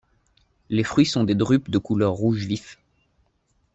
Les fruits sont des drupes de couleur rouge vif.